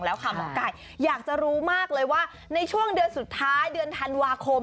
แล้วค่ะหมอไก่อยากจะรู้มากเลยว่าในช่วงเดือนสุดท้ายเดือนธันวาคม